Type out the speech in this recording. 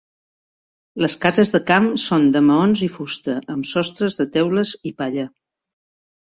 Les cases de camp són de maons i fusta, amb sostres de teules i palla.